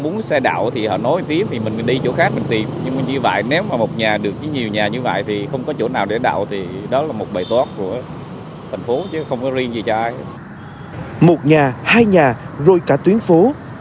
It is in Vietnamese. một nhà hai nhà rồi cả tuyến phố